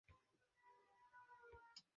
বিপক্ষদের দক্ষিণ দিকের ব্যূহ ছিন্নভিন্ন হইয়া গেল।